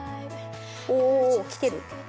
お来てる。